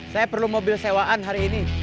saya perlu mobil sewaan hari ini